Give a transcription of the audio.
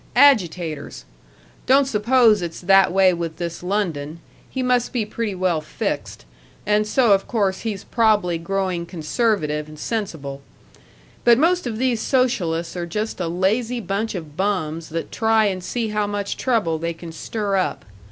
Agitators ! Don't suppose it's that way with this London he must be pretty well fixed, and so of course he's prob'ly growing conservative and sensible. But most of these socialists are just a lazy bunch of bums that try and see how much trouble they can stir up.